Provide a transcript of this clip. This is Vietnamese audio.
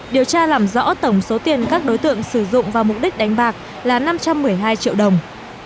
điều tra làm rõ tổng số tiền các đối tượng sử dụng vào mục đích đánh bạc là năm trăm một mươi hai triệu đồng